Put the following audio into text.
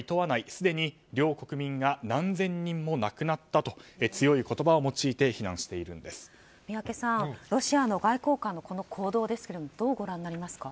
すでに両国民が何千人も亡くなったと強い言葉を用いて宮家さん、ロシアの外交官のこの行動ですけれどもどうご覧になりますか。